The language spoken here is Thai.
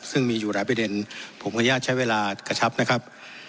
ซึ่งมีอยู่หลายประเด็นผมขออนุญาตใช้เวลากระชับนะครับ